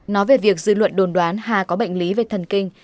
nói về việc dư luận đồn đoán hà có bệnh lý về thần kinh